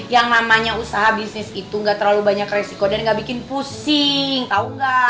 yang namanya usaha bisnis itu gak terlalu banyak resiko dan nggak bikin pusing tahu nggak